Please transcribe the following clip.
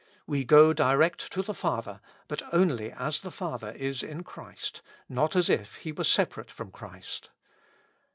We go direct to the Father, but only as the Father is in Christ, not as if He were separate from Christ.